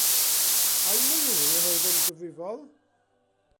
Ai Meilir oedd yn gyfrifol?